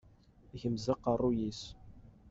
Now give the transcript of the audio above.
Ikemmez aqerruy-is.